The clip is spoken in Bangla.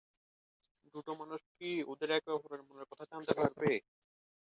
দুটো মানুষ কি ওদের একে অপরের মনের কথা জানতে পারবে?